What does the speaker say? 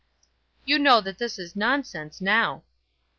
"You know that this is nonsense now."